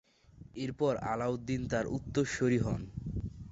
এরপর আলাউদ্দিন তার উত্তরসুরি হন।